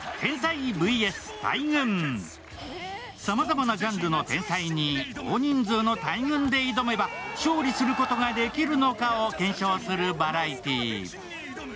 さまざまなジャンルの天才に大人数の大群で挑めば勝利することができるのかを検証するバラエティー。